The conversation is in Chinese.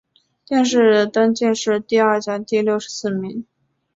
殿试登进士第二甲第六十四名。